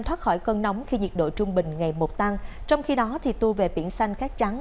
thoát khỏi cơn nóng khi nhiệt độ trung bình ngày một tăng trong khi đó tu về biển xanh cát trắng